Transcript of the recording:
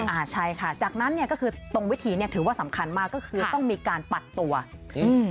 อ่าใช่ค่ะจากนั้นเนี้ยก็คือตรงวิธีเนี้ยถือว่าสำคัญมากก็คือต้องมีการปัดตัวอืม